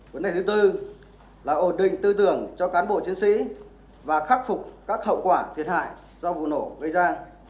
vấn đề thứ tư là ổn định tư tưởng cho cán bộ chiến sĩ và khắc phục các hậu quả thiệt hại do vụ nổ gây ra